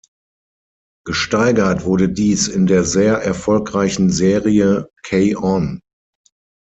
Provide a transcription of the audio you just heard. Gesteigert wurde dies in der sehr erfolgreichen Serie "K-On!